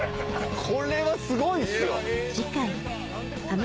これはすごいっすよ！